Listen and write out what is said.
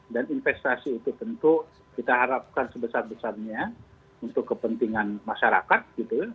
investasi itu tentu kita harapkan sebesar besarnya untuk kepentingan masyarakat gitu